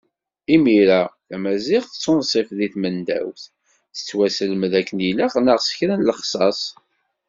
Imir-a tamaziɣt d tunṣibt di tmendawt, tettwaselmad akken ilaq neɣ s kra n lexṣaṣ.